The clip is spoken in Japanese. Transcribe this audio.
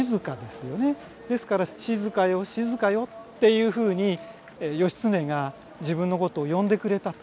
ですから「静よ静よ」っていうふうに義経が自分のことを呼んでくれたと。